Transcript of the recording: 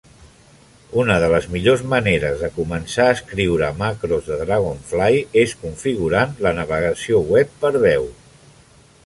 Una de les millors maneres de començar a escriure macros de Dragonfly és configurant la navegació web per veu.